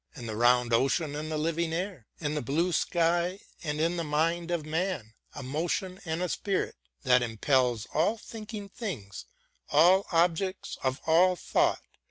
And the round Ocean and the living air, And the blue sky, and in the mind of man : A motion and a spirit, that impels All thinking things, all objects of all thought.